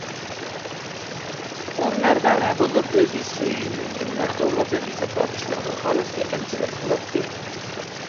ئۇ مەردانە بولۇپ، ئۆزى سۆيۈنگەن ۋە توغرا دەپ ھېسابلىغان ئىشلارغا خالىس يېقىنچىلىق قىلاتتى.